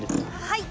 はい！